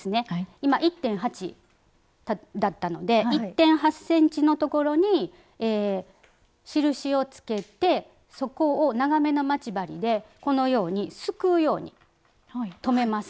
今１．８だったので１．８ｃｍのところに印をつけてそこを長めの待ち針でこのようにすくうように留めます。